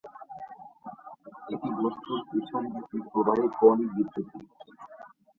এটি বস্তুর পিছন দিকে প্রবাহীর কৌণিক বিচ্যুতি।